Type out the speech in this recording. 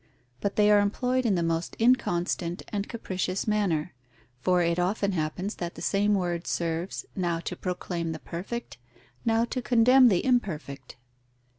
But they are employed in the most inconstant and capricious manner, for it often happens that the same word serves, now to proclaim the perfect, now to condemn the imperfect.